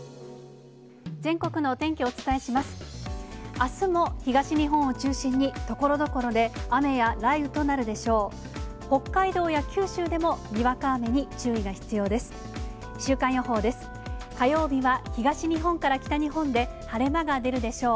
あすも東日本を中心に、ところどころで雨や雷雨となるでしょう。